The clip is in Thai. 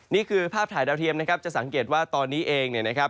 นี่คือภาพถ่ายดาวเทียมนะครับจะสังเกตว่าตอนนี้เองเนี่ยนะครับ